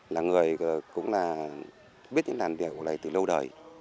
là người cũng là biết những làn điệu này từ lâu đời